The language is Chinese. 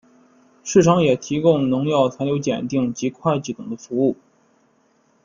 市场也提供农药残留检定及会计等的服务。